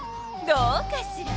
どうかしら？